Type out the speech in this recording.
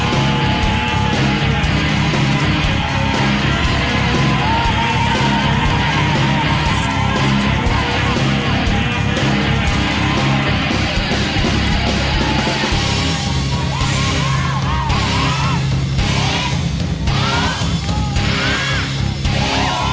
หมวกปีกดีกว่าหมวกปีกดีกว่า